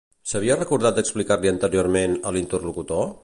S'havia recordat d'explicar-li anteriorment, a l'interlocutor?